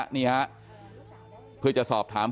อยู่ดีมาตายแบบเปลือยคาห้องน้ำได้ยังไง